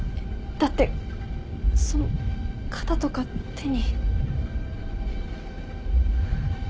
だってその肩とか手に。